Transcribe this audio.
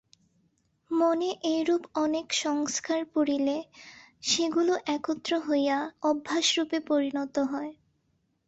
মনে এইরূপ অনেক সংস্কার পড়িলে সেগুলি একত্র হইয়া অভ্যাসরূপে পরিণত হয়।